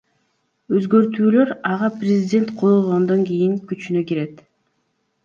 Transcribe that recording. Өзгөртүүлөр ага президент кол койгондон кийин күчүнө кирет.